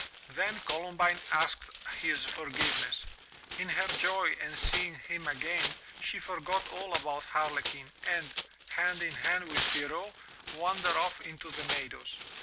Then Columbine asked his forgiveness. In her joy at seeing him again, she forgot all about Harlequin and, hand in hand with Pierrot, wandered off into the meadows.